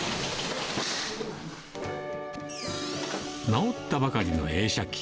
直ったばかりの映写機。